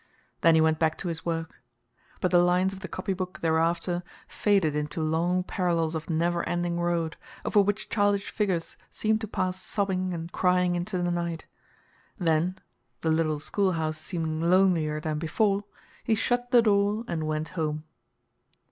Then he went back to his work. But the lines of the copybook thereafter faded into long parallels of never ending road, over which childish figures seemed to pass sobbing and crying into the night. Then, the little schoolhouse seeming lonelier than before, he shut the door and went home.